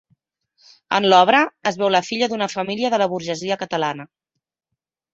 En l'obra, es veu la filla d'una família de la burgesia catalana.